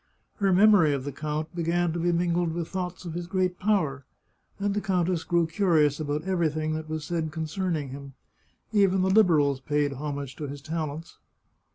Her memory of the count be gan to be mingled with thoughts of his great power, and the countess grew curious about everything that was said concerning him. Even the Liberals paid homage to his talents.